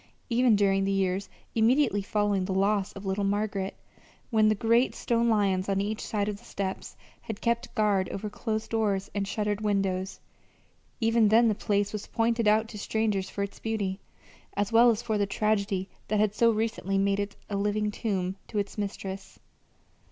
Even during the years immediately following the loss of little Margaret, when the great stone lions on each side of the steps had kept guard over closed doors and shuttered windows, even then the place was pointed out to strangers for its beauty, as well as for the tragedy that had so recently made it a living tomb to its mistress.